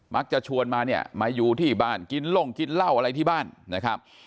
ชวนมาเนี่ยมาอยู่ที่บ้านกินล่งกินเหล้าอะไรที่บ้านนะครับ